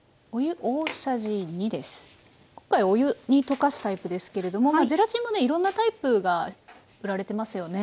今回お湯に溶かすタイプですけれどもゼラチンもねいろんなタイプが売られてますよね。